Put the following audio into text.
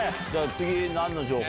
次何の情報？